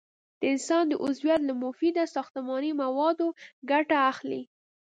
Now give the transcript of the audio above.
د انسان د عضویت له مفیده ساختماني موادو ګټه اخلي.